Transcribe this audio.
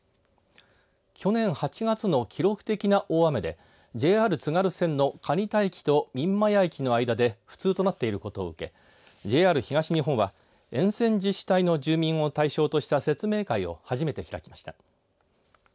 去年８月の記録的な大雨でＪＲ津軽線の蟹田駅と三厩駅の間で不通となっていることを受けＪＲ東日本は沿線自治体の住民を対象とした説明会を初めて開きました。